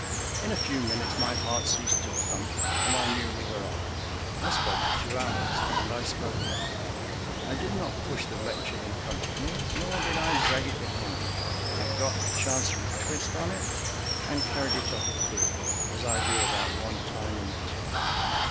In a few minutes my heart ceased to thump and I knew we were off. I spoke for two hours, and I spoke well. I did not push the lecture in front of me, nor did I drag it behind. I got the chancery twist on it and carried it off big, as I do about one time in ten.